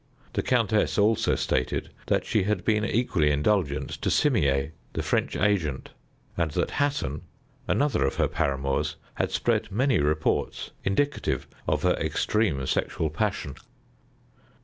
The countess also stated that she had been equally indulgent to Simier, the French agent, and that Hatton, another of her paramours, had spread many reports indicative of her extreme sexual passion.